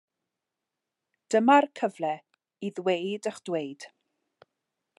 Dyma'r cyfle i ddweud eich dweud.